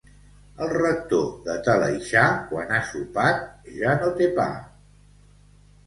El rector de Talaixà, quan ha sopat, ja no té pa.